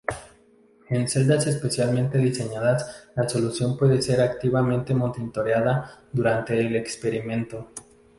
En celdas especialmente diseñadas la solución puede ser activamente monitoreada durante el experimento.